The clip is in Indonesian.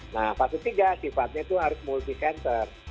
nah fase tiga sifatnya itu harus multi center